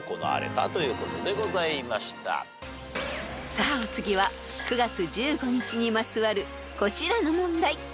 ［さあお次は９月１５日にまつわるこちらの問題］